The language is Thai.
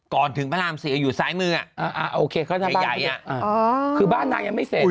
ก่อนถึงพระราม๔อยู่ซ้ายมือใหญ่คือบ้านนั้นยังไม่เสร็จ